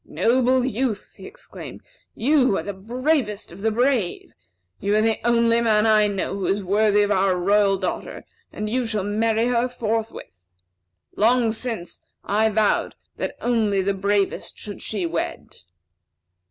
"Noble youth," he exclaimed, "you are the bravest of the brave. You are the only man I know who is worthy of our royal daughter, and you shall marry her forthwith. Long since, I vowed that only with the bravest should she wed."